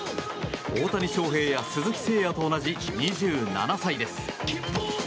大谷翔平や鈴木誠也と同じ２７歳です。